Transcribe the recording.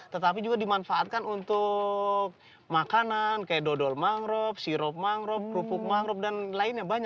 tetapi juga dimanfaatkan untuk makanan kayak dodol mangrove sirop mangrove rupuk mangrove dan lainnya